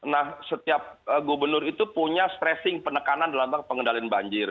nah setiap gubernur itu punya stressing penekanan dalam pengendalian banjir